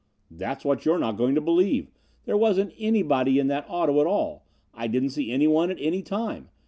"That's what you're not going to believe. There wasn't anybody in that auto at all. I didn't see anyone at any time.